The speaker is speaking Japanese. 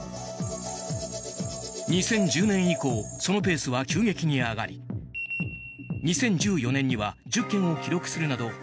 ２０１０年以降そのペースは急激に上がり２０１４年には１０件を記録するなど